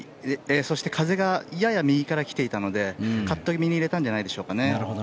そして風がやや右から来ていたのでカット気味に入れたんじゃないでしょうか。